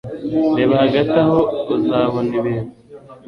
Reba hagati aho uzabona ibintu